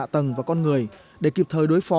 tầng và con người để kịp thời đối phó